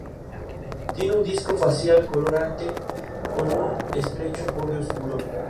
Tiene un disco facial color ante con un estrecho borde oscuro.